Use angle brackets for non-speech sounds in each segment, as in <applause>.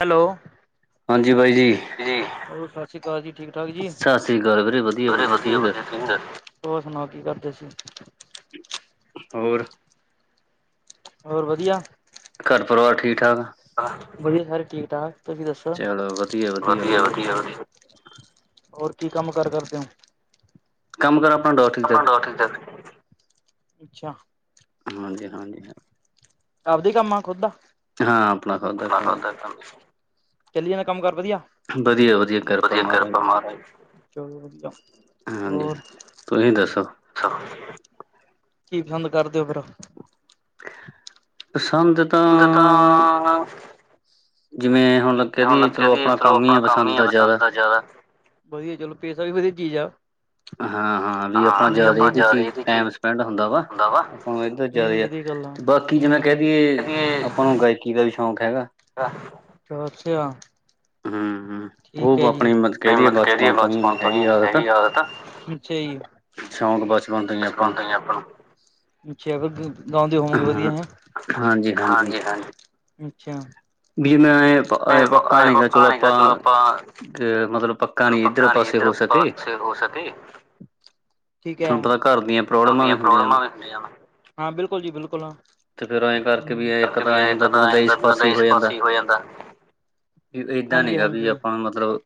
Hello. ਹਾਂਜੀ ਬਾਈ ਜੀ। ਹੋਰ ਸਸ ਸ਼੍ਰੀ ਕਾਲ ਜੀ, ਠੀਕ ਠਾਕ ਜੀ। ਸਤਿ ਸ੍ਰੀ ਅਕਾਲ ਵੀਰੇ ਵਧੀਆ ਹੋਰ ਵਧੀਆ ਤੁਸੀਂ ਦੱਸੋ ਸੁਨਾਓ ਕੀ ਕਰਦੇ ਸੀ। ਹੋਰ। ਹੋਰ ਵਧੀਆ। ਘਰ ਪਰਿਵਾਰ ਠੀਕ ਠਾਕ? <unintelligible> ਵਧੀਆ ਸਾਰੇ ਠੀਕ ਠਾਕ, ਤੁਸੀਂ ਦੱਸੋ। ਚਲੋ ਵਧੀਆ ਹੋਰ ਵਧੀਆ ਕੀ ਵਧੀਆ ਕੰਮ ਕਾਰ ਕਰਦੇ ਓ? ਕੰਮ ਕਾਰ ਆਪਣਾ ਡੋਰ ਠੀਕ ਠਾਕ <unintelligible> ਅੱਛਾ। ਹਾਂਜੀ-ਹਾਂਜੀ, ਹੈ। ਆਪ ਦਾ ਈ ਕੰਮ ਆ ਖੁਦ ਦਾ। ਹਾਂ ਆਪਣਾ ਖਾਦਾ ਕੰਮ ਚੱਲੀ ਜਾਂਦਾ ਕੰਮ ਕਾਰ ਵਧਿਆ। ਵਧੀਆ ਵਧੀਆ ਕਿਰਪਾ ਮਹਾਰਾਜ ਚਲੋ ਵਧੀਆ, ਹਾਂਜੀ ਹੋਰ। ਤੁਸੀਂ ਦੱਸੋ ਛਾ, ਕੀ ਕੰਮ ਕਰਦੇ ਓ ਫੇਰ? ਪਸੰਦ ਤਾਂ <unintelligible> ਤਾਂ ਜਿਵੇਂ ਹੁੱਨ। ਹੁਨ ਲੱਗਿਆ ਵੀ ਚਲੋ ਆਪਣਾ ਕੰਮ ਈ ਆ ਪਸੰਦ ਦਾ ਜ਼ਿਆਦਾ। ਹਾਂ-ਹਾਂ ਵੀ ਆਪਾ ਜ਼ਾਦਾ ਈ ਇਹਦੇ ਚ ਟਾਈਮ ਸਪੈਂਡ ਹੁੰਦਾ ਵਾ, ਭਾਂਵੇ ਏਦੇ ਨਹੀਂ ਨਹੀਂ ਜਾਦੇ ਆ, ਵਧੀਆ ਗੱਲ ਤੇ ਬਾਕੀ ਜਿਵੇਂ ਕੈ ਹੂੰ। ਦੀਏ, ਕਦੀ ਆਪਾਂ ਨੂੰ ਗਾਇਕੀ ਦਾ ਵੀ ਸ਼ੌਕ ਹੈਗਾ। ਚਲੋ, ਅੱਛਾ। ਹੂੰ, ਓ ਠੀਕ ਹੈ ਜੀ। ਆਪਣੀ ਕੈ ਨਹੀਂ ਦਈਏ ਮਤ ਕਹਿ ਦੀਏ ਬਚਪਨ ਤੋਂ ਹੀ ਹੈਗੀ ਆ ਆਦਤ। ਅੱਛਾ ਜੀ। ਅੱਛਾ ਹੋਣ ਬਾਸ <unintelligible> ਗਾਉਂਦੇ ਹੋਵੋਗੇ ਹਾਂ, ਵਦੀਆ ਹੈ? ਹਾਂਜੀ-ਹਾਂਜੀ ਹਾਂਜੀ-ਹਾਜੀ, ਅੱਛਾ। ਬੀ ਮੈਂ ਅ ਪੱਕਾ ਨੀ ਆ, ਚਲੋ ਆਪਾਂ, ਮਤਲਬ ਪ ਚਲੋ ਪੱਕਾ ਨੀ ਏਦਰ ਪਾਸੇ ਹੋ ਸਕੇ ਠੀਕ ਐ, ਤੁਹਾਨੂੰ ਪਤਾ ਘਰ ਦੀਆਂ ਘਾਰ ਪ੍ਰੋਬਲਮਾਂ ਵੀ ਦਿਆਂ ਹੁੰਦੀਆਂ ਨੇ ਪ੍ਰੋਬਲਮਾ ਬੀ ਹੂੰਦੀਆ ਨੇ। ਹਾਂ ਬਿਲਕੁਲ ਜੀ ਬਿਲਕੁਲ ਹੂੰ। ਤੇ ਫੇਰ ਐਂ ਕਰਕੇ ਵੀ ਇੱਕ ਤਾਂ ਐਂ ਪੈਹਾ ਹੁੰਦਾ ਵੀ ਬੰਦਾ ਹੂੰਦਾ, ਇਸ ਤਾਂ ਹੀ ਏਸ ਪਾਸੇ ਈ ਹੋ ਜਾਂਦਾ ਵੀ ਏਦਾਂ ਨੀ ਗਾ ਵੀ ਹਾਂਜੀ-ਹਾਂਜੀ। ਆਪਾਂ ਨੂੰ ਮਤਲਬ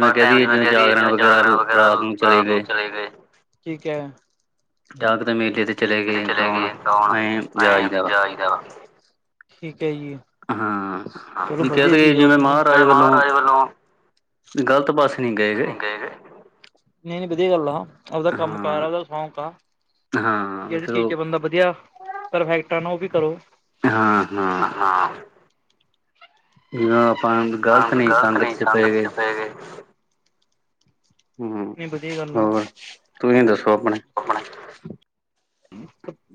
ਪਰ ਟੈਮ ਜਿਵੇਂ ਕੈਹ ਦਈਏ, ਜਿਵੇਂ ਜਾਗਰਣ ਵਗੈਰਾ ਰਾਤ ਨੂੰ ਚਲੇ ਗਏ। ਠੀਕ ਐ। ਜਾ ਕਿਤੇ ਮੇਲੇ ਤੇ ਚਲੇ ਗਏ ਗਾਓਣ, ਐਂ ਐਂ ਜਾਈਦਾ। ਠੀਕ ਐ ਜੀ, ਹਾਂ ਚਲੋ ਵੀ ਕਹਿ ਬਦੀਆ ਦਈਏ ਚੀਜ਼ ਆ ਜਿਵੇਂ ਓਕੇ ਜੀ, ਮਾਰਾਜ ਵੱਲੋਂ ਗਲਤ ਪਾਸੇ ਨੀ ਗਏ ਕਦੇ। ਨਈ ਨਈ ਬਦੀਆ ਗਾੱਲ ਆ, ਆਪਦਾ ਕੰਮ ਹਾਂ ਕਾਰ ਆ, ਆਪਦਾ ਸੌਂਕ ਆ। ਹਾਂ ਵੀ ਜੇੜੀ ਚੀਜ਼ ਚਲੋ ਚ ਬੰਦਾ ਬਦੀਆ, ਪਰਫੈਕਟ ਆ ਨਾ, ਓ ਹੀ ਕਰੋ। ਹਾਂ, ਹਾਂ। ਹਾਂ। ਊਂ ਆਪਾਂ, ਗ਼ਲਤ ਨਈ ਸੰਗਤ ਚ ਪਏ ਵੇ। ਹੂੰ। ਨਹੀਂ ਵਧੀਆ ਗੱਲ ਆ। ਹੋਰ ਤੁਸੀਂ ਦੱਸੋ ਅਪਣੇ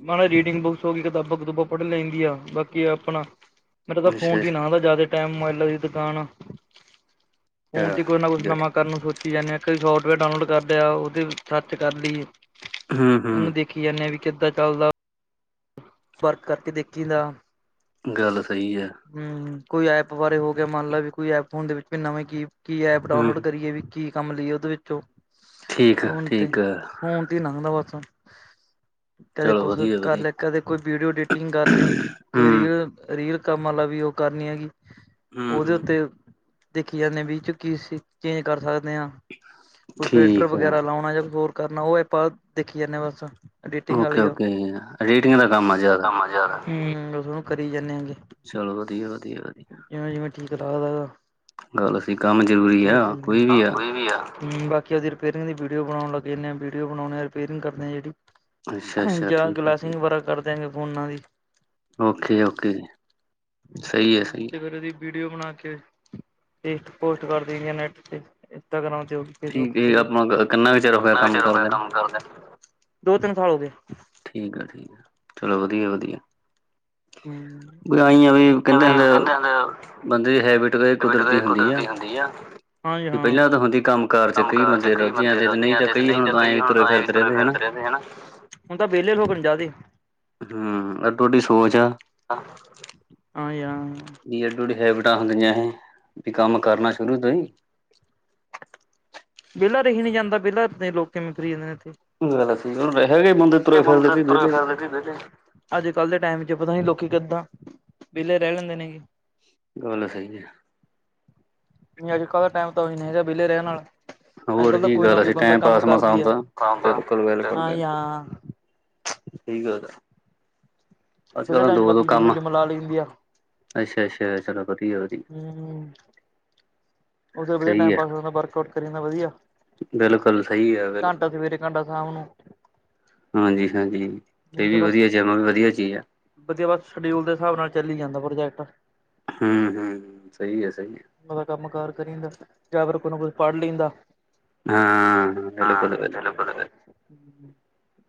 ਮ ਰੀੜੀਂਗ ਬੁੱਕਸ ਹੋ ਗੀ, ਕਿਤਾਬਾਂ-ਕੂਤੂਬਾਂ ਪੜ ਲੈਂਦੀ ਆ ਬਾਕੀ ਅਪਣਾ ਮਤਲਬ ਫੋਨ ਅੱਛਾ ਨਾਂ ਲਾ, ਜਾਦਾ ਟਾਈਮ ਮਬਾਏਲਾਂ ਦੀ ਦੁਕਾਨ ਆ। ਫੋਨ ਅੱਛਾ ਤੇ ਕੋਝ ਨਾ ਠੀਕ ਕੋਛ ਆ ਨਵਾਂ ਠੀਕ ਕਰਨ ਨੂੰ ਸੋਚੀ ਜਾਂਨੇ ਆ, ਕਈ ਸੋਫਟਵੇਅਰ ਡਾਊਨਲੋਡ ਕਰ ਲੇਆ, ਉਦੇ ਚ ਸਰਚ ਕਰ ਲਈ ਹਮ ਓਨੂੰ ਹਮ ਦੇਖੀ ਜਾਂਨੇ ਆ ਵੀ ਕਿੱਦਾਂ ਚਾੱਲਦਾ ਫਰਕ ਕਰਕੇ ਦੇਖੀ ਦਾ ਗਾੱਲ ਸਈ ਆ। ਹੂੰ, ਕੋਈ ਐਪ ਬਾਰੇ ਹੋ ਗੇਆ, ਮੰਨ ਲੇ ਵੀ ਕੋਈ ਐਪ ਓਦੇ ਵਿੱਚ ਵੀ ਨਵਾ ਕੀ, ਕੀ ਐਪ ਡਾਊਨਲੋਡ ਹਮ ਕਰੀਏ ਵੀ ਕੀ ਕਾੰਮ ਲਈਏ ਓਦੇ ਵਿੱਚੋਂ, ਠੀਕ ਆ ਫੋਨ ਤੇ, ਠੀਕ ਆ ਫੋਨ ਤੇ ਲੰਘਦਾ ਬਾਸ। ਕਦੇ ਚਲੋ ਕੋਸ ਵਧੀਆ ਕਰ ਲੇਆ, ਵਧੀਆ ਕਦੇ ਕੋਈ ਵੀੜੀਓ ਐਡੀਟਿੰਗ ਕਾਰ ਲਈ, ਕੋਈ ਹਮ ਰੀਲ਼ ਰੀਲ ਕੰਮ ਵਾਲਾ ਵੀ ਓ ਕਰਨੀ ਆਗੀ, ਹਮ ਓਦੇ ਹਮ ਉੱਤੇ ਦੇਖੀ ਯਾਰ ਨੇਵੀ ਚ ਕੀਸੀ ਚੇਂਜ ਕਰ ਸਾਕਦੇ ਆਂ। ਕੋਈ ਫੇਲਟਰ ਠੀਕ ਆ ਵਗੈਰਾ ਲਾਉਣਾ, ਯਾ ਕੋਸ ਹੋਰ ਕਰਨਾ, ਓ ਆਪਾਂ ਦੇਖੀ ਜਾਂਨੇ ਆ ਬਸ। ਅਡੇਟਿੰਗ ਓਕੇ ਵਾਲੀ ਆ, ਓਕੇ ਰੇਟਿੰਗ ਦਾ ਕੰਮ ਆ ਜ਼ਿਆਦਾ ਹੂੰ ਬਾਸ ਓਨੂੰ ਕਰੀ ਜਾਨੇ ਆਗੇ। ਚਲੋ ਠੀਕ। ਵਦੀਆ, ਵਦੀਆ, ਵਦੀਆ। ਜਿਵੇਂ-ਜਿਵੇਂ ਠੀਕ ਲਾਗਦਾ ਆਪਦਾ, ਆਪਦਾ ਮਾਨ ਲੋ ਅਸੀਂ ਕਾੰਮ ਜਰੂਰੀ ਆ, ਕੋਈ ਵੀ ਆ। ਹੂੰ, ਬਾਕੀ ਆਪਦੀ ਰਿਪੇਰਿੰਗ ਦੀ ਵੀੜੀਓ ਬਣਾਉਣ ਲੱਗੇ ਜਾਂਨੇ ਆ, ਬੀੜੀਓ ਬਣਾਓਣੇ ਆ। ਰਿਪਅਰਿੰਗ ਕਰਦੇ ਆ ਜੇੜੀ। ਅੱਛਾ ਅੱਛਾ ਹਾਂਜੀ, ਆ ਠੀਕ ਗਲਾਸਿੰਗ ਵਰਕ ਕਾਰਦੇ ਆਂ ਫੋਨਾਂ ਦੀ। ਓਕੇ-ਓਕੇ ਜੀ। ਹੂੰ, ਤੇ ਫੇਰ ਓਦੀ ਵੀਡੀਓ ਬਣਾ ਕੇ। ਰੀਲ ਪੋਸਟ ਕਰ ਦਈ ਦੀ ਆ, ਨੈੱਟ ਤੇ ਇੰਸਟਾਗ੍ਰਾਮ ਦੇ ਉੱਤੇ। ਇਹ ਲੋਕ ਠੀਕ ਤੇ, ਹੈ ਕਿੰਨਾ ਆਪਾਂ ਕਿੰਨਾ ਚਿਰ ਕੁ ਹੋਇਆ ਟਾਈਮ ਹੋ ਗੇਆ ਕਰਦੇ ਨੇ ਕੰਮ ਕਰਦੇ ਨੂੰ ਦੋ ਤਿੰਨ ਸਾਲ ਹੋ ਗਏ। ਠੀੲ ਆ, ਠੀਕਾ-ਠੀਕ ਆ <unintelligible> ਵੀ ਆਈ ਆ ਵੀ ਕਹਿੰਦੇ ਹੁੰਦੇ ਤੈਨੂੰ ਪਤਾ ਏ ਕੁਦਰਤੀ ਹੁੰਦੀ ਆ, ਹਾਂਜੀ, ਤੇ ਹਾਂਂ ਪਹਿਲਾਂ ਤਾਂ ਹੁੰਦੀ ਕੰਮ ਹਾੜਮ ਕਾਰ 'ਚ ਕਈ। ਰੁੱਝ ਬੰਦੇ ਜਾਂਦੇ ਤੇ ਨਹੀਂ ਗਲਤੀਆਂ ਤਾਂ ਤਿਦ ਨਈ ਤੇ ਤਾਂ ਐਂ ਕਈ ਵੀ ਹੁਣ ਆਏਂ ਤੁਰੇ ਹਨਾ ਫਿਰਦੇ ਰਹਿੰਦੇ ਹੈ ਨਾ। ਹੁਣ ਤਾਂ ਵਿਹਲੇ ਲੋਗ ਨੇ ਜਾਦੇ। ਹੂੰ, ਐ ਤੁਆਡੀ ਸੋਚ ਆ। ਆਂ, ਆਏ ਆ। ਵੀ ਐਡੋ ਐਂਡੀ ਹੈਬਿਟਾਂ ਹੁੰਦੀਆਂ ਇਹ ਵੀ ਕੰਮ ਕਰਨਾ ਸ਼ੁਰੂ ਤੋਂ ਈ। ਵੇਲਾ ਰਹੀ ਨੀ ਜਾਂਦਾ ਵੇਲਾ ਪਤਾ ਨੀ ਲੋਗ ਕਿਵੇਂ ਫਿਰੀ ਜਾਂਦੇ ਇੱਥੇ। ਗੱਲ ਸਹੀ। ਹੁਣ ਵੈਹੇ ਵੀ ਮੁੰਡੇ ਤੁਰੇ ਫਿਰਦੇ ਕਈ ਵੇਲੇ ਈ। ਕਿਉਂਕਿ ਵੇਲੇ ਅੱਜ ਕੱਲ੍ਹ ਦੇ ਟਾਈਮ 'ਚ ਪਤਾ ਨਹੀਂ ਲੋਕੀ ਕਿੱਦਾਂ ਵੇਲੇ ਰੈ ਲੈਂਦੇ ਨੇਗੇ। ਗਲ ਸਹੀ ਏ। ਨਈ ਅੱਜ ਕੱਲ੍ਹ ਦਾ ਟਾਈਮ ਤਾਂ ਔਹੀ ਨਹੀਂ ਰਿਆ ਬੇਲੇ ਰਹਿਣ ਆਲਾ ਅੱਜ ਹੋਰ ਕੱਲ ਤਾਂ ਕੀ ਕੋਈ ਨਾ ਗੱਲ ਕੋਈ ਸੀ ਬੰਦਾ ਟਾਈਮ ਕੰਮ ਪਾਸ ਮਸਾਂ ਕਰਦਾ ਈ ਆ। ਹੁੰਦਾ ਕਰਦਾ। ਹਾਂ ਯਾਂ। ਸਈ ਗੱਲ ਐ। ਵੇਲੇ ਟਾਈਮ 'ਚ ਬਾਕੀ ਜਿੰਮ ਜੁੰਮ ਲਾ ਲਈ ਦੀ ਆ। ਅੱਛਾ-ਅੱਛਾ ਚਲੋ। ਵਧੀਆ ਵਧੀਆ ਹੂੰ। ਉੱਥੇ ਵਧੀਆ ਸਹੀ ਟਾਈਮ ਹੈ ਪਾਸ ਹੋ ਜਾਦਾ ਵਰਕਆਊਟ ਕਰੀ ਜਾਂਦਾ ਵਧੀਆ। ਬਿਲਕੁਲ ਸਈ ਐ ਬਿਲਕੁਲ-ਬਿਲਕੁਲ। ਸਾਡਾ ਸਾਮ ਨੂੰ ਹਾਂਜੀ-ਹਾਂਜੀ ਏ ਯਾਨੀ ਕਿ ਵੀ ਬਸ ਵਧੀਆ। ਜਿੰਮ ਵੀ ਵਧੀਆ ਚੀਜ਼ ਆ। ਵਧੀਆ ਬਸ ਸ਼ਡਿਊਲ ਦੇ ਹਿਸਾਬ ਨਾਲ ਚੱਲੀ ਜਾਂਦਾ ਪ੍ਰੋਜੈਕਟ। ਹੂੰ-ਹੂੰ। ਸਈ ਐ-ਸਈ ਐ। ਆਵਦਾ ਕੰਮ ਕਾਰ ਕਰੀਦੈਂ ਜਾਂ ਫਿਰ ਕੁਛ ਨਾ ਕੁਛ ਪੜ ਲਈ ਦਾ। ਹੈ ਹਾਂ ਹਾਂ, ਬਿਲਕੁਲ ਬਿਲਕੁਲ।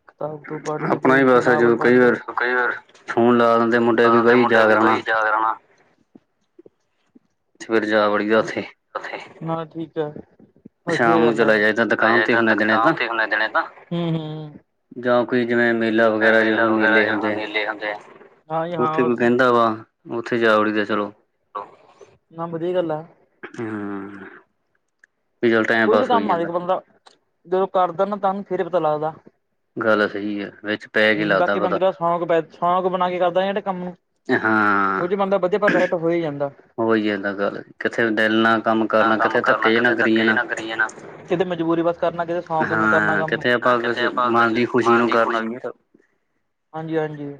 ਕਤਾਬ ਕਤੁਬੁ ਪੜ੍ਹ ਲਈ ਆਪਣਾ ਕੋਈ। ਕੋਈ ਨਾਵਲ ਪੜ੍ਹ ਲਿਆ। ਔ ਕਈ ਵਾਰ ਹੁਣ ਲਗਾ ਲੈਂਦੇ ਮੁੰਡੇ ਵੀ ਬਈ ਜਾਗਰਾਣਾ। ਜਾਗਰਾਣਾ। ਸਵੇਰੇ ਜਾ ਵੜੀ ਦੈ ਔਥੇ। ਨਾਲ਼ੇ ਠੀਕ ਐ। ਵਧੀਆ ਸ਼ਾਮ ਨੂੰ ਗੱਲ ਐ। ਚਲਾ ਜਾਈਦਾ ਦੁਕਾਨ ਪੈਸੇ ਤੇ ਤਾਂ ਹੁੰਦੇ ਦਿਨੇ ਤਾਂ ਦੁਕਾਨ ਤੇ ਹੁਣੇ ਦੇਣੇ ਨਾ। ਹੂੰ-ਹੂੰ। ਜਾਂ ਕੋਈ ਜਿਵੇਂ ਮੇਲਾ ਵਗੈਰਾ ਜਿਵੇਂ ਹੁਣ ਵਗੈਰਾ ਮੇਲੇ ਜੋ ਹੁੰਦੇ ਆ, ਮੇਲੇ ਹੁੰਦੇ ਆ ਹਾਂ ਜੀ ਹਾਂ ਔਥੇ ਕੋਈ ਬਸ ਕੈਂਦਾ ਵਾ ਔਥੇ ਜਾ ਵੜੀ ਦੈ ਨਾ ਵਧੀਆ ਗੱਲ ਐ। ਹੂੰ। ਵੀ ਚੱਲ ਟਾਈਮ ਕੋਈ ਵੀ ਪਾਸ ਕੰਮ ਹੋਈ ਮਾੜੇ ਜਾਂਦਾ ਕ ਬੰਦਾ, ਜਦੋਂ ਕਰਦੈ ਨਾ ਤੰਗ ਫੇਰ ਈ ਪਤਾ ਲੱਗਦੈ। ਗੱਲ ਸਹੀ ਹੈ ਵਿੱਚ ਪੈ ਕੇ ਹੂੰ, ਲੱਗਦਾ ਬਾਕੀ ਬੰਦੇ ਪਤਾ ਦਾ ਸ਼ੌਕ ਬੈ ਸ਼ੌਕ ਬਣਾ ਕੇ ਕਰਦੈ ਜਿਹੜੇ ਕੰਮ ਨੂੰ ਤੇ ਹਾਂ। ਔਦੇ 'ਚ ਬੰਦਾ ਬਧੀਆ ਪਰਫੈਕਟ ਹੋ ਹੀ ਜਾਂਦਾ। ਹੋ ਈ ਜਾਂਦਾ ਗਲ ਕਿੱਥੇ ਦਿਲ ਨਾਲ ਕੰਮ ਹਾਂ ਕਰਨਾ ਕੰਮ ਕਿੱਥੇ ਧੱਕੇ ਜ ਨਾ ਕਿਤੇ ਕਰੀ। ਧੱਕੇ ਜੇ ਜਾਣਾ ਨਾਲ ਕਰੀ ਜਾਣਾ। ਕਿਤੇ ਮਜਬੂਰੀ ਬਸ ਕਰਨਾ ਕਿਤੇ ਸ਼ੌਕ ਨੂੰ ਕਰਨਾ ਹਾਂ ਕੰਮ। ਕਿੱਥੇ ਹੂੰ ਆਪਾਂ ਕਿੱਥੇ ਆਪਾਂ ਮਨ ਦੀ <unintelligible> ਖੁਸ਼ੀ ਮਨ ਨੂੰ ਦੀ ਕਰਨਾ ਖੁਸ਼। ਵੀ ਹਾਂਜੀ-ਹਾਂਜੀ।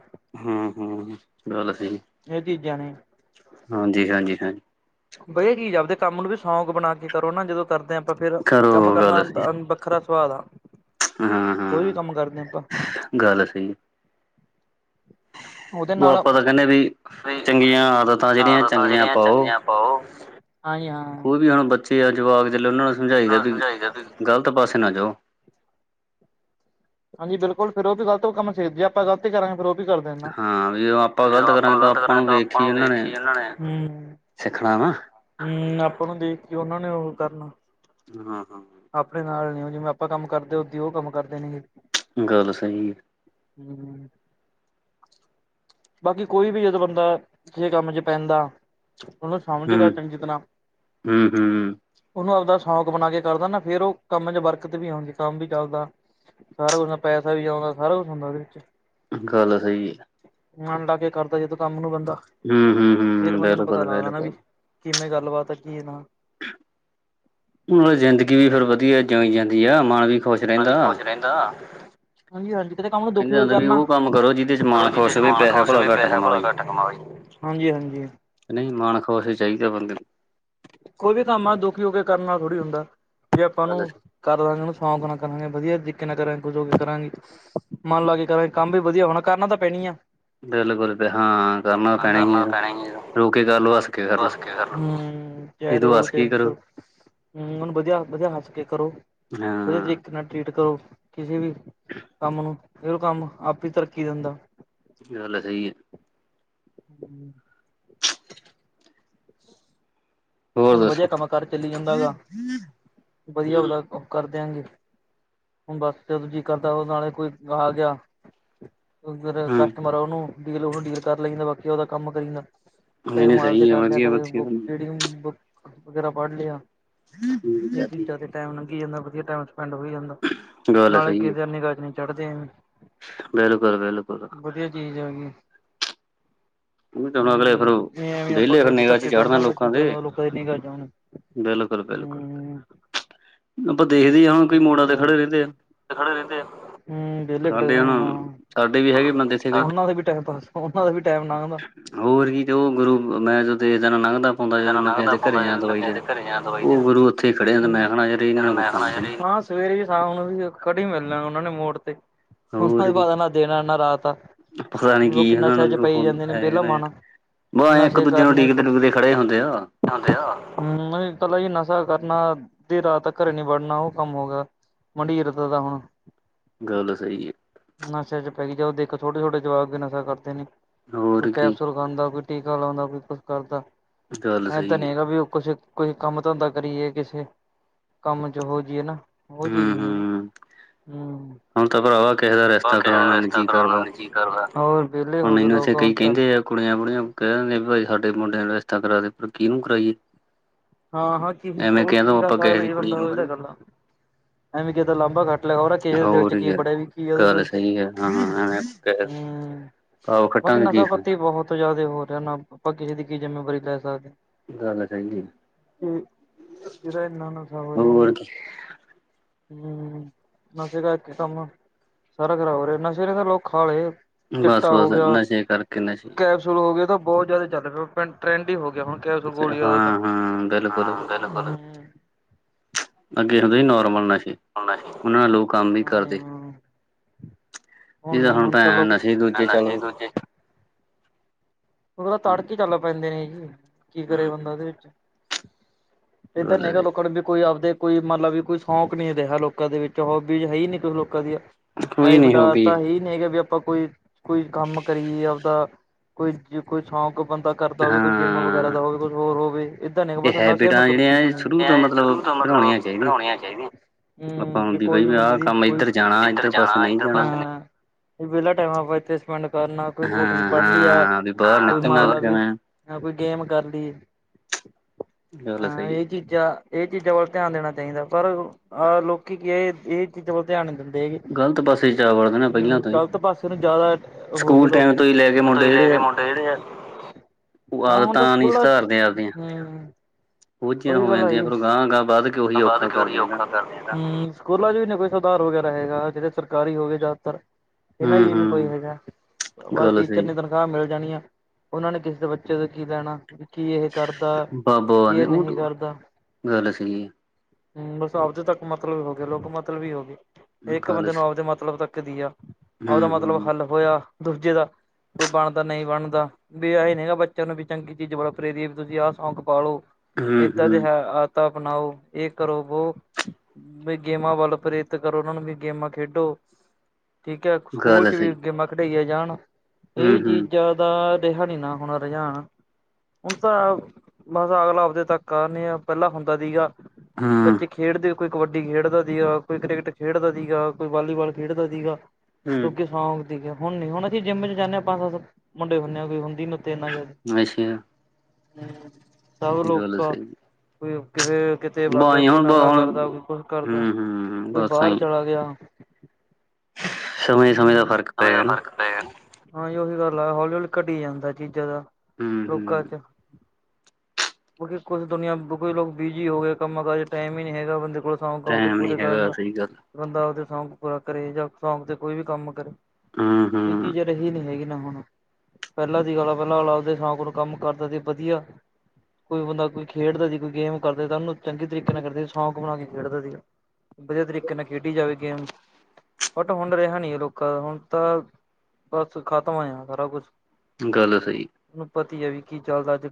ਹੂੰ-ਹੂੰ, ਗੱਲ ਸਈ ਏ। ਇਹ ਚੀਜ਼ਾਂ ਨੇ, ਹਾਂਜੀ ਹਾਂਜੀ ਬਈਐ ਕੀ ਆਪਦੇ ਕੰਮ ਨੂੰ ਵੀ ਸੌਂਕ ਬਣਾ ਕੇ ਕਰੋ ਨਾ ਜਦੋਂ ਕਰਦੇ ਆਂ ਆਪਾਂ ਫੇਰ ਕੰਮ ਕਰੋ ਕਰਨਾ ਵੱਖਰਾ ਸਵਾਲ ਆ। ਕੋਈ ਵੀ ਹਾਂ-ਹਾਂ ਕੰਮ ਕਰਦੇ ਆਪਾਂ ਗੱਲ ਸਈ ਔਦੇ ਉਹ ਨਾਲੋਂ ਆਪਾਂ ਤਾਂ ਕਹਿੰਦੇ ਵੀ ਹੀ ਚੰਗੀਆਂ ਆਦਤਾਂ ਜਿਹੜੀਆਂ ਆਦਤਾਂ ਚੰਗੀਆਂ ਜੇੜੀਆਂ ਪਾਓ ਚੰਗੀਆਂ ਪਾਔ। ਹਾਂ ਜੀ, ਹਾਂ। ਏ ਆ ਜਵਾਕ ਜਿੱਲੇ ਔਨਾਂ ਨੂੰ ਸਮਝਾਈ ਦੈ ਨੂੰ ਵੀ ਸਮਝਾਈਦਾ ਤੁਸੀਂ ਗ਼ਲਤ ਪਾਸੇ ਨਾ ਜਾਔ। ਹਾਂਜੀ, ਬਿਲਕੁਲ ਫੇਰ ਔਦੀ ਗਲ ਤੋਂ ਕੰਮ ਫੇਰ ਵੀ ਆਪਾਂ ਗਲਤੀ ਕਰਾਂਗੇ ਫਿਰ ਔ ਵੀ ਕਰ ਦਿੰਨਾ। ਜੇ ਆਪਾਂ ਗਲਤ ਕਰਾਂਗੇ ਤਾਂ ਆਪਾਂ ਨੂੰ ਵੇਖੀ ਏਨਾਂ ਨੇ ਸਿੱਖਣਾ ਵਾ ਹਮ ਆਪਾਂ ਨੂੰ ਦੇਖ ਕੇ ਉਹਨਾਂ ਨੇ ਉਹ ਕਰਨਾ ਹਾਂ <unintelligible> ਆਪਣੇ ਨਾਲ ਨੇ ਉਹ ਜਿਵੇਂ ਆਪਾਂ ਕੰਮ ਕਰਦੇ ਉਓਦੀ ਉਹ ਕੰਮ ਕਰਦੇ ਨੇਗੇ। ਗੱਲ ਸਹੀ ਹੈ। ਹੂੰ, ਬਾਕੀ ਕੋਈ ਵੀ ਜਦੋਂ ਬੰਦਾ ਕਿਸੇ ਕੰਮ ਚ ਪੈਂਦਾ, ਉਹਨੂੰ ਸਮਝਦਾ ਹੂੰ ਚੰਗੀ ਤਰ੍ਹਾਂ। ਹੂੰ ਹੂੰ ਉਹਨੂੰ ਆਪਦਾ ਸ਼ੌਕ ਬਣਾ ਕੇ ਕਰਦਾ ਨਾ ਫੇਰ ਉਹ ਕੰਮ ਚ ਬਰਕਤ ਵੀ ਆਉਂਦੀ ਕੰਮ ਵੀ ਚੱਲਦਾ ਹੈ। ਸਾਰਾ ਕੁਛ ਪੈਸਾ ਵੀ ਆਉਂਦਾ ਸਾਰਾ ਕੁਛ ਹੁੰਦਾ ਉਹਦੇ ਵਿੱਚ ਚ। ਗੱਲ ਸਹੀ ਹੈ। ਮਨ ਲਾ ਕੇ ਕਰਦਾ ਜਦੋਂ ਕੰਮ ਨੂੰ ਬੰਦਾ। ਹੂੰ ਹੂੰ ਫੇਰ ਹੂੰ, ਬੰਦੇ ਨੂੰ ਪਤਾ ਬਿਲਕੁਲ ਲੱਗਦਾ ਨਾ ਵੀ ਬਿਲਕੁਲ। ਕਿਵੇਂ ਗੱਲਬਾਤ ਆ ਕੀ ਇਹ ਨਾ। <unintelligible> ਜ਼ਿੰਦਗੀ ਵੀ ਫਿਰ ਵਧੀਆ ਜੀਈ ਜਾਂਦੀ ਆ ਮਨ ਵੀ ਖੁਸ਼ ਮਨ ਰਹਿੰਦਾ। ਵੀ ਖੁਸ਼ ਰਹਿੰਦਾ। ਹਾਂਜੀ ਹਾਂਜੀ ਕਿਤੇ ਕੰਮ ਨੂੰ ਦੁਖੀ ਕਹਿੰਦੇ ਹੋ ਕੇ ਹੁੰਦੇ ਵੀ ਕਰਨਾ ਉਹ ਕੰਮ ਕਰੋ ਜਿਹਦੇ ਚ ਪਰ ਓ ਜਿਦੇ ਖੁਸ਼ ਚ ਹੋਵੇ ਮਨ ਪੈਸਾ ਖੁਸ਼ ਭਲਾ ਹੋਵੇ ਘੱਟ ਪੈਸਾ ਭਲਾ ਕਮਾਵੇ। ਘੱਟ ਕਮਾਵੇ, ਹ ਹਜੀ। ਨਹੀਂ ਮਨ ਖੁਸ਼ ਹੀ ਚਾਹੀਦਾ ਬੰਦੇ ਨੂੰ। ਕੋਈ ਵੀ ਕੰਮ ਆ, ਦੁਖੀ ਹੋ ਕੇ ਕਰਨ ਨਾਲ ਥੋੜ੍ਹੀ ਹੁੰਦਾ ਜੇ ਆਪਾਂ ਨੂੰ ਕਰ ਦਾਂਗੇ ਉਹਨੂੰ ਸ਼ੌਂਕ ਨਾਲ ਕਰਾਂਗੇ ਵਧੀਆ ਤਰੀਕੇ ਨਾਲ ਕਰਾਂਗੇ ਖੁਸ਼ ਹੋ ਕੇ ਕਰਾਂਗੇ। ਮੰਨ ਲਾਕੇ ਕਰਾਂਗੇ ਕੰਮ ਵੀ ਵਧੀਆ ਹੋਣਾ ਕਰਨਾ ਤਾਂ ਪੈਣੀ ਆ। ਬਿਲਕੁਲ ਹਾਂ ਕਰਨਾ ਪੈਣਾ ਹੀ ਆ, ਰੋਕੇ ਕਰਲੋ ਹੱਸ ਕੇ ਕਰਲੋ। ਚਾਹੇ ਰੋ ਚ <unintelligible> ਉਹਨੂੰ ਵਧੀਆ ਵਧੀਆ ਹੱਸ ਕੇ ਕਰੋ ਵਧੀਆ ਹਾਂ ਤਰੀਕੇ ਕਿਨਾ ਟ੍ਰੀਟ ਕਰੋ ਕਿਸੇ ਵੀ ਕੰਮ ਨੂੰ ਇਹ ਕੰਮ ਆਪ ਹੀ ਤਰੱਕੀ ਦਿੰਦਾ। <unintelligible> ਸਹੀ ਹੈ। ਹੂੰ। ਹੋਰ ਹੁਣ ਵਧੀਆ ਦੱਸੋ। ਕੰਮ ਕਾਰ ਚਲੀ ਜਾਂਦਾ ਗਾ ਵਧੀਆ ਉਹਦਾ ਕਰ ਦਿਆਂਗੇ। ਹੁਣ ਬਸ ਜਦ ਜੀਅ ਕਰਦਾ ਉਹ ਨਾਲੇ ਕੋਈ ਆ ਗਿਆ। ਫ ਹੂੰ ਕਸਟਮਰ ਆ ਉਹਨੂੰ ਡੀਲ ਉਹਨੂੰ ਡੀਲ ਕਰ ਲਈਦਾ ਬਾਕੀ ਉਹਦਾ ਕੰਮ ਕਰੀਂਦਾ। ਨਹੀਂ ਕਦੇ ਨਹੀਂ ਮਾਲ ਸਹੀ ਹੈ ਚਕਾਂਦੇ ਹਾਂ ਤੇ ਵਧੀਆ ਵਧੀਆ ਕਦੇ <unintelligible> ਵਗੈਰਾ ਪੜ੍ਹ ਲਿਆ ਇਹ ਚੀਜ਼ਾਂ ਤੇ ਟੈਮ ਲੰਘੀ ਜਾਂਦਾ ਵਧੀਆ ਟਾਈਮ ਸਪੈਂਡ ਹੋਈ ਜਾਂਦਾ। ਗੱਲ ਨਾਲੇ ਸਹੀ ਹੈ ਕਿਦੇ ਨਿੱਘਾ ਚ ਨੀ ਚੜਦੇ ਐਵੇਂ। ਬਿਲਕੁਲ ਬਿਲਕੁਲ। ਵਧੀਆ ਚੀਜ਼ ਹੈਗੀ। ਹੂੰ <unintelligible> ਇਹ ਐਵੇਂ ਆਪਾਂ ਡੇਲੀ ਫਿਰ ਕਿਸੇ ਦੇ ਨਿਗ੍ਹਾ ਚ ਹੀ ਧੱਕੇ ਚੜਨਾ ਦਾ ਕੀ ਲੋਕਾਂ ਦੇ। ਫਾਇਦਾ ਲੋਕਾਂ ਦੀ ਨਿਗਾਹ ਚ ਆਉਣ। ਬਿਲਕੁਲ ਬਿਲਕੁਲ ਬਿਲਕੁਲ ਹੂੰ, ਆਪਾਂ ਦੇਖਦੇ ਹ ਹੁਣ ਕੋਈ ਹੋਰ ਕੀ ਮੁੋੜਾ ਤੇ ਫਾਇਦਾ। ਖੜੇ ਰਹਿੰਦੇ ਆ। ਖੜੇ ਰਹਿੰਦੇ, ਹਮ ਵੇਹਲੇ ਖੜੇ ਰ ਸਾਡੇ ਹੁਣ ਹਾਂ, ਸਾਡੇ ਵੀ ਹਾਂ, ਹੈਗੇ ਬੰਦੇ ਇੱਥੇ ਕਈ ਉਹਨਾ ਦੇ ਵੀ ਟਾਈਮਪਾਸ ਹਨ ਓਹਨਾ ਦਾ ਵੀ ਟਾਈਮ ਲੰਘਦਾ ਹੋਰ ਕੀ ਤੇ ਉਹ ਗੁਰੂ ਮੈਂ ਜਦੋਂ ਜਾਣਾ ਲੰਘਦਾ। ਦਾ ਜਿੱਦਾਂ ਨਾਲ ਮੈਂ ਲੰਘਦਾ ਕ ਘਰੇ ਪਾਉਂਦਾ ਜਾ ਜਦੋਂ ਮੈਂ ਦਵਾਈ ਕਿਸੇ ਦੇਣ ਦੇ ਘਰੇ ਜਾਣਾ ਦਵਾਈ ਦੇਣ। ਉਹ ਗੁਰੂ ਉੱਥੇ ਹੀ ਖੜੇ ਤੇ ਮੈਂ ਹੂੰ, ਕਹਿਣਾ ਯਾਰ ਇਹਨਾਂ ਜਦ ਨੂੰ ਕੋਈ ਮੈਂ ਕੰਮ ਆਣਾ ਹੈ ਨੀ। ਯਾਰੀ ਸਵੇਰੇ ਵੀ ਸ਼ਾਮ ਨੂੰ ਵੀ ਖੜੀ ਮਿਲਣਾ ਉਹਨਾ ਨੇ ਮੋੜ ਤੇ ਉਹਨਾਂ ਹੋਰ ਕੀ ਪਤਾ ਨਾ ਦਿਨ ਆ ਨਾ ਰਾਤ ਆ ਪਤਾ ਨੀ ਕੀ ਲੋਕ ਇਹਨਾਂ ਨਸ਼ੇ ਚ ਨੂੰ ਪਈ ਹੁਣ ਜਾਂਦੇ ਨੇ ਹੈਗਾ ਵਿਹਲਾ ਨਾ ਯਾਰ ਮਨ, ਬ ਐਂ ਇੱਕ ਨਸ਼ੇ ਦੂਜੇ ਨੂੰ ਕਰਨੇ ਡੀਕਦੇ ਕੁ ਡੁਕਦੇ ਖੜੇ ਹੁੰਦੇ ਆ। ਨਹੀਂ ਪਹਿਲਾ ਜੀ ਨਸ਼ਾ ਕਰਨਾ, ਅੱਧੀ ਰਾਤ ਤੱਕ ਘਰੇ ਨੀ ਵੜਨਾ ਉਹ ਕੰਮ ਹੋ ਗਿਆ। ਮੰਡੀਰ ਤੇ ਤਾਂ ਹੁਣ ਗੱਲ ਸਹੀ ਏ। ਨਸ਼ਿਆਂ ਚ ਪਈ ਜਾਓ, ਦੇਖੋ ਛੋਟੇ-ਛੋਟੇ ਜਵਾਕ ਵੀ ਨਸ਼ਾ ਕਰਦੇ ਨੇ, ਕੋਈ ਹੋਰ ਕੀ ਕੈਪਸੂਲ ਉਂਦਾ, ਕੋਈ ਟੀਕਾ ਲਾਉਂਦਾ, ਕੋਈ ਕੁਛ ਕਰਦਾ। ਗੱਲ ਐਦਾਂ ਸਹੀ ਨੀ ਹੈਗਾ ਵੀ ਉਹ ਕੁਛ ਕੋਈ ਕੰਮ-ਧੰਦਾ ਕਰੀਏ, ਕਿਸੇ ਕੰਮ ਚ ਹੋ ਜੀਏ ਨਾ। ਉਹ ਹੈ ਚੀਜ਼ ਹੂੰ ਨ ਹੈਗੀ ਹੂੰ ਹੂੰ ਹੁਣ ਤਾਂ ਭਰਾਵਾ ਕਿਸੇ ਦਾ ਪਰ ਰਿਸ਼ਤਾ ਕਿਸੇ ਦਾ ਕਰਾਉਣਾ ਵੀ ਨੀ ਰਿਸ਼ਤਾ ਜੀਅ ਕਰਾਉਣਾ ਕਰਦਾ ਵੀ ਔਰ ਬੇਲੇ ਹੋ ਗਏ ਲੋਕ ਹੁਣ ਤਾਂ। ਕੁੜੀਆਂ-ਬੁੜੀਆਂ ਕਹਿ ਦਿੰਦੀਆਂ ਭਾਈ ਸਾਡੇ ਮੁੰਡਿਆਂ ਨੂੰ ਰਿਸ਼ਤਾ ਕਰਾ ਦੇ, ਪਰ ਕਿਹਨੂੰ ਕਰਾਈਏ ਹਾਂ ਹਾਂ, ਕੀ ਐਵੇਂ ਉਹ ਕਹਿੰਦਾ ਕੀੜਾ ਆਪਾਂ ਖਾ ਕਿਸੇ ਦੀ ਲੇ ਕੁੜੀ ਬੰਦਾ ਨੂੰ ਓਹੀ ਤਾਂ ਕਹਿੰਦੇ ਗੱਲ ਆ। ਐਵੇ ਕਿਸੇ ਦਾ ਲਾਂਬਾ ਘਟ ਲਗਾਓ, ਕਿਸੇ ਦੇ ਦਿਲ 'ਚ ਹੋਰ ਕੀ ਯਾਰ ਬੜਿਆ ਵੀ ਕੀ ਆ ਉਦੇ ਗੱਲ ਦਿਲ ਚ ਸਹੀ ਹੈ ਹਾਂ ਐਵੇਂ ਹੂੰ। ਭਾਵ ਬਾਕੀ ਖੱਟਾਂਗੇ ਕੀ ਨਸ਼ਾ ਫੇਰ <unintelligible> ਆਪਾਂ ਕਿਸੇ ਦੀ ਕੀ ਜਿੰਮੇਵਾਰੀ ਲੈ ਸਕਦੇ ਆਂ। ਗੱਲ ਚਾਹੀਦੀ। ਕਿ ਜਿਹਦਾ ਇੰਨਾ ਇਨਾਂ ਹੋਰ ਕੀ <unintelligible> ਹੂੰ ਨਸ਼ੇ ਦਾ ਇਕ ਕੰਮ ਆ ਸਾਰਾ ਖਰਾਬ ਹੋ ਰਿਹਾ ਨਸ਼ੇ ਨੇ ਤਾਂ ਲੋਕ ਖਾ ਲੇ। ਬਸ ਬਸ ਨਸ਼ੇ ਕਰਕੇ ਨਸ਼ੇ ਸ਼ੁਰੂ ਹੋ ਗਿਆ, ਤਾਂ ਬਹੁਤ ਜ਼ਿਆਦਾ ਚੱਲ ਪਿਆ ਟਰੈਂਡ ਈ ਹੋ ਗਿਆ ਹੁਣ ਕੈਪਸੂਲ ਗੋਲੀਆਂ ਦਾ ਤਾਂ ਹਾਂ-ਹਾਂ, ਹਾਂ ਬਿਲਕੁਲ-ਬਿਲਕੁਲ। ਬਿਲਕੁਲ ਅੱਗੇ ਹੁੰਦੇ ਸੀ ਨੋਰਮਲ ਨਸ਼ੇ ਨਹੀਂ ਓਨਾਂ ਨਾਲ ਲੋਕ ਕੰਮ ਵੀ ਕਰਦੇ। ਹਾਂ ਏ ਤਾਂ ਹੁਣ ਭੈਣ ਅ ਨਸ਼ੇ ਈ ਦੂਜੇ ਚੱਲ ਨਸ਼ੇ ਦੂਜੇ ਉਹ ਤਾਂ ਤੜਕੇ ਈ ਚੱਲ ਪੈਂਦੇ ਨੇ ਜੀ, ਕੀ ਕਰੇ ਬੰਦਾ ਓਦੇ ਵਿੱਚ। ਇੱਧਰ ਗੱਲ ਨੀ ਗਾ ਲੋਕਾਂ ਨੂੰ ਵੀ ਕੋਈ ਆਪਦੇ ਕੋਈ ਮਤਲਵ ਵੀ ਕੋਈ ਸ਼ੌਂਕ ਨੀ ਰਿਹਾ ਲੋਕਾਂ ਦੇ ਵਿੱਚ, ਹੋਬੀਜ਼ ਹੈ ਈ ਨੀ ਕੁਛ ਲੋਕਾਂ ਦੀਆਂ। ਕੋਈ ਐਏ ਨੀ ਹੋ ਵੀ ਵੱਡਾਤਾ ਸੀ ਨੀ ਵੀ ਆਪਾਂ ਕੋਈ ਕੋਈ ਕੰਮ ਕਰੀਏ ਆਪਦਾ ਕੋਈ ਜੇ ਕੋਈ ਸ਼ੌਂਕ ਬੰਦਾ ਕਰਦਾ ਹੋਵੇ, ਕੋਈ ਜਿੰਮ ਵਗੈਰਾ ਹਾਂ ਦਾ ਹੋਵੇ, ਕੁਛ ਹੋਰ ਹੋਵੇ। ਏਦਾਂ ਨੀ ਇਹ ਬਸ ਨਸ਼ੇ ਨੂੰ ਹੈਬਿਟਾਂ ਤੁਰ ਪਈ ਜਿਹੜੀਆਂ ਸ਼ੁਰੂ ਤੋਂ ਦੁਨੀਆਂ। ਮਤਲਬ ਬਣਾਉਣੀਆਂ ਚਾਹੀਦੀਆਂ ਆਪਾਂ ਹੂੰ ਨੂੰ ਵੀ ਕੋਈ ਵੀ ਬਈ ਬੰਦੇ ਆਹ ਦੀ ਕੰਮ ਕੋਈ ਇੱਧਰ ਜਾਣਾ ਇੱਧਰ ਪਾਸੇ ਨਹੀਂ ਜਾਣਾ ਵੇਲਾ ਟਾਈਮ ਆਪਾਂ ਇੱਥੇ ਸਪੈਂਡ ਕਰਨਾ, ਕੋਈ ਬੁੱਕਸ ਪੜ੍ਹ ਲਈ ਯਾ ਹਾਂ-ਹਾਂ ਵੀ ਬਾਹਰ ਕੋਈ ਮੰਨ ਨਿਕਲਣਾ ਲੈ ਵੀ ਕਿਵੇਂ ਹਾਂ ਕੋਈ ਗੇਮ ਕਰ ਲਈ, ਗੱਲ ਹਾਂ ਸਹੀ ਐ। ਇਹ ਚੀਜ਼ ਜਾਂ ਇਹ ਚੀਜ਼ਾਂ ਵੱਲ ਧਿਆਨ ਦੇਣਾ ਚਾਹੀਦਾ, ਪਰ ਅਹ ਲੋਕੀ ਕੀ ਐ ਇਹ ਚੀਜ਼ਾਂ ਵੱਲ ਧਿਆਨ ਨੀ ਦਿੰਦੇ ਹੈਗੇ, ਗ਼ਲਤ ਪਾਸੇ ਜਾ ਵੜਦੇ ਨੇ ਪਹਿਲਾਂ ਹੂੰ ਤੋਂ ਹੀ ਗਲਤ ਪਾਸੇ ਨੂੰ ਜ਼ਿਆਦਾ ਹੋ ਗਏ ਸਕੂਲ ਟਾਈਮ ਲੋਕੀ, ਤੋਂ ਹੀ ਲੈ ਕੇ ਮੁੰਡੇ ਤੁਸੀਂ ਲੈ ਜਿਹੜੇ ਕੇ ਆ ਮੁੰਡੇ ਉਹ ਹਾਂ ਹੁਣ ਆਦਤਾਂ ਤਾਂ ਨੀ ਸਕੂਲਾ ਹੂੰ ਬਹੁਤ ਚੀਜ਼ਾਂ ਹੋ ਜਾਂਦੀਆਂ, ਫਿਰ ਅਗਾਂ-ਅਗਾਂ ਵੱਧ ਕੇ ਉਹੀ ਬਾਅਦ ਔਖਾ ਕੇ ਉਹੀ ਕਰਦੇ ਗਾ ਔਖਾ ਕਰਦੀਆਂ ਤੁਆਨੂੰ ਸਕੂਲਾਂ ਚ ਵੀ ਨਈ ਕੋਈ ਸੁਧਾਰ ਵਗੈਰਾ ਹੈਗਾ, ਜਿਹੜੇ ਸਰਕਾਰੀ ਹੋ ਗਏ ਜ਼ਿਆਦਾਤਰ ਇਹਨਾਂ ਚ ਵੀ ਨੀ ਕੋਈ ਹੂੰ-ਹੂੰ ਹੈਗਾ ਬਸ ਗੱਲ ਟੀਚਰ ਸਹੀ ਨੇ ਤਨ ਖਾਹ ਮਿਲ ਜਾਣੀਆ, ਉਨਾਂ ਨੇ ਕਿਸੇ ਦੇ ਬੱਚੇ ਤੋਂ ਕੀ ਲੈਣਾ ਕੀ ਇਹ ਕਰਦਾ, ਬਾਬਾ ਕੀ ਨੇ ਇਹ ਨਹੀਂ ਉਹ ਕਰਦਾ। ਗੱਲ ਸਈ ਐ। ਹੂੰ ਬਸ ਆਪਦੇ ਤੱਕ ਮਤਲਬ ਹੋ ਗਿਆ, ਲੋਕ ਮਤਲਬੀ ਹੋ ਗਏ। ਇੱਕ ਗੱਲ ਬੰਦੇ ਨੂੰ ਆਪਦੇ ਮਤਲਬ ਤੱਕ ਦੀ ਆ, ਉਹਦਾ ਮਤਲਬ ਹੂੰ-ਹੂੰ, ਹੱਲ ਹੋਇਆ ਦੂਜੇ ਦਾ ਕੋਈ ਬਣਦਾ ਨਈ ਬਣਦਾ ਬੇ ਆਹੀ ਨੀ ਹੈਗਾ ਬੱਚਿਆਂ ਨੂੰ ਵੀ ਚੰਗੀ ਚੀਜ਼ ਵੱਲ ਪ੍ਰੇਰੀਏ ਵੀ ਤੁਸੀਂ ਆਹ ਸੌਂਕ ਪਾਲੋ। ਏਦਾਂ ਦੇ ਹੂੰ-ਹੂੰ ਹੈ ਆਦਤਾਂ ਅਪਣਾਓ ਇਕ ਰੋਬੋ ਬਈ ਗੇਮਾਂ ਵੱਲ ਪ੍ਰੇਰਿਤ ਕਰੋ ਉਨਾਂ ਨੂੰ ਵੀ ਗੇਮਾਂ ਖੇਡੋ ਠੀਕ ਐ ਸਕੂਲ ਗੱਲ ਚ ਵੀ ਸਹੀ ਗੇਮਾਂ ਖਿਡਾਈਆ ਜਾਣ ਇਹ ਹੂੰ-ਹੂੰ, ਚੀਜਾ ਦਾ ਰਿਹਾ ਨੀ ਨਾ ਹੁਣ ਰੁਝਾਨ ਹੁਣ ਤਾਂ ਬਸ ਅਗਲਾ ਆਪਦੇ ਤੱਕ ਆ ਨਈ ਅ ਪਹਿਲਾਂ ਹੁੰਦਾ ਸੀਗਾ। ਹੂੰ-ਹੂੰ ਬੱਚੇ ਖੇਡਦੇ ਕੋਈ ਕਬੱਡੀ ਖੇਡਦਾ ਸੀ, ਕੋਈ ਕ੍ਰਿਕਟ ਖੇਡਦਾ ਸੀਗਾ, ਕੋਈ ਵਾਲੀਬਾਲ ਖੇਡਦਾ ਸੀਗਾ। ਓਕੇ ਸੌਂਗ ਦੇਖਿਆ ਹੁਣ ਨੀ ਹੁਣ ਅਸੀਂ ਜਿੰਮ ਚ ਜਾਂਨੇ ਆ ਪੰਜ ਸੱਤ ਮੁੰਡੇ ਹੁੰਨੇ ਆ ਕੋਈ ਹੁੰਦੀ ਅੱਛਾ <unintelligible> ਸਭ ਗੱਲ ਲੋਕਾ ਸਹੀ ਕੋਈ ਓਕੇ ਫੇਰ ਕਿ ਤੇ ਬਾਗਿਆ ਬਾਈ ਕੋਈ ਹੁਣ ਨਸ਼ਾ ਹੁਣ ਕਰਦਾ ਕੋਈ ਕੁਛ ਕਰਦਾ ਹੂੰ-ਹੂੰ ਕੋਈ ਬਸ ਬਾਰ ਆਈ ਚਲਾ ਗਿਆ। ਸਮੇਂ-ਸਮੇਂ ਦਾ ਫ਼ਰਕ ਪੈ ਸਮੇ ਦਾ ਗਿਆ ਨਾ ਫਰਕ ਨੇ ਹਾਂ ਉਹੀ ਗੱਲ ਹੌਲੀ ਹੌਲੀ ਘਟੀ ਜਾਂਦਾ ਚੀਜਾ ਦਾ ਲੋਕਾਂ ਹੂੰ-ਹੂੰ ਚ <inaudible> ਕੁਝ ਕੁ ਦੁਨੀਆ ਕੁਝ ਲੋਕ ਬੀਜੀ ਹੋ ਗਏ ਕੰਮ ਕਾਰਾਂ ਚ ਟਾਈਮ ਨਹੀਂ ਹੈਗਾ ਬੰਦੇ ਕੋਲ ਸ਼ੌਂਕ ਹੈ ਉਹਦੇ ਟੈਮ ਨੀ ਪੂਰੇ ਰਹਿਣ ਹੈਗਾ ਦਾ ਸਹੀ ਗੱਲ ਬੰਦਾ ਆਪਦੇ ਸੌਂਗ ਕਰੇ ਜਾਂ ਸੌਂਕ ਤੇ ਕੋਈ ਵੀ ਕੰਮ ਕਰੇ ਹੂ ਹੂ,,, ਇਹੀ ਨਹੀਂ ਹੈਗੀ ਨਾ ਹੁਣ ਪਹਿਲਾਂ ਦੀ ਅਗਲਾ ਪਹਿਲਾ ਵਲੋਗ ਸ਼ਾਹਕੋਟ ਤੇ ਕੰਮ ਕਰਦਾ ਸੀ ਵਧੀਆ ਕੋਈ ਬੰਦਾ ਕੋਈ ਖੇਡਦਾ ਸੀ ਕੋਈ ਗੇਮ ਕਰਦੇ ਸਾਨੂੰ ਚੰਗੇ ਤਰੀਕੇ ਨਾਲ ਕਰਦੇ ਸੌਂਕ ਬਣਾ ਕੇ ਖੇਡਦਾ ਸੀਗਾ ਵਧੀਆ ਤਰੀਕੇ ਨਾਲ ਖੇਡੀ ਜਾਵੇ ਗੇਮ ਬਟ ਹੁਣ ਰਿਹਾ ਨੀ ਰੁੱਖ, ਹੁਣ ਤਾਂ ਬਸ ਖਤਮ ਆ ਸਾਰਾ ਕੁਛ ਗੱਲ ਸਹੀ ਰੂਪ ਪਤੀ ਹੀ ਐ ਵੀ ਕੀ ਚੱਲਦਾ ਅੱਜ